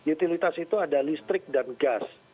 utilitas itu ada listrik dan gas